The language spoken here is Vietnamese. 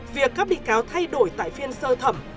việc các bị cáo thay đổi tại phiên sơ thẩm